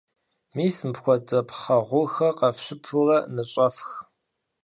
Мис мыпхуэдэ пхъэ гъурхэр къэфщыпурэ ныщӀэфх.